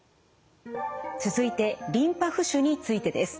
続いてリンパ浮腫についてです。